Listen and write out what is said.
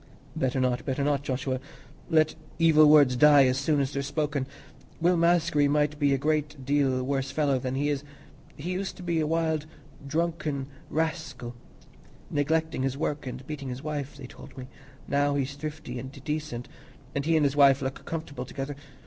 "Better not, better not, Joshua. Let evil words die as soon as they're spoken. Will Maskery might be a great deal worse fellow than he is. He used to be a wild drunken rascal, neglecting his work and beating his wife, they told me; now he's thrifty and decent, and he and his wife look comfortable together.